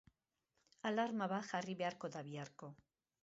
Alarma bat jarri behar da biharko.